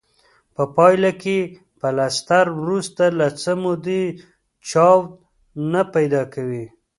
په پایله کې پلستر وروسته له څه مودې چاود نه پیدا کوي.